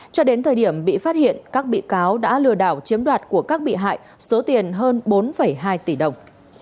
cho đến thời điểm bị phát hiện các bị cáo đã lừa đảo chiếm đoạt của các bị hại số tiền hơn bốn hai tỷ đồng